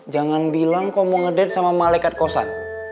jangan bilang kau mau ngedet sama malaikat kosan